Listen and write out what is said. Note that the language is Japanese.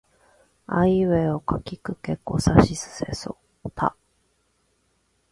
あいうえおかきくけこさしすせそた